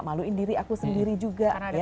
maluin diri aku sendiri juga